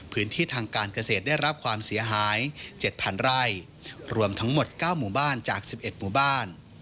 พื้นที่ทางการเกษตรได้รับความเสียหาย๗๐๐ไร่รวมทั้งหมด๙หมู่บ้านจาก๑๑หมู่บ้าน